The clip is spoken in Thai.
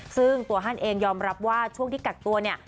ซึ่งตัวท่านเองยอมรับว่าช่วงที่กักตัวเนี่ย